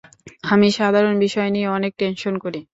আমি সাধারণ বিষয় নিয়ে অনেক টেনশন করি।